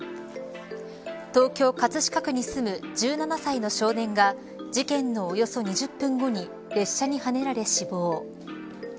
東京、葛飾区に住む１７歳の少年が事件のおよそ２０分後に列車にはねられ死亡。